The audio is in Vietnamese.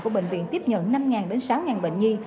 của bệnh viện tiếp nhận năm sáu bệnh nhi